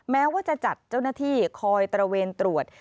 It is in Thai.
แม้ว่าจะจัดเจ้าหน้าที่คอยตระเวนตรวจ